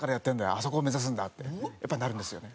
「あそこを目指すんだ」ってやっぱりなるんですよね。